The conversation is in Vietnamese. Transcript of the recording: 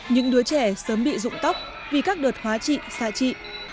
những đứa trẻ sớm bị dụng tóc vì các đợt hóa trị xa trị